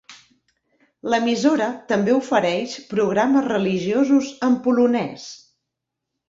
L'emissora també ofereix programes religiosos en polonès.